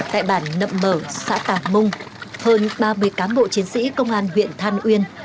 tại bản nậm mở xã tàng mung hơn ba mươi cán bộ chiến sĩ công an huyện than uyên